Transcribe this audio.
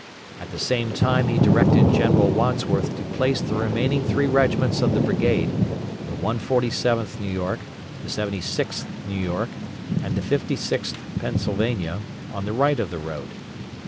At the same time he directed General Wadsworth to place the remaining three regiments of the brigade, the 147th New York, the 76th New York, and the 56th Pennsylvania, on the right of the road.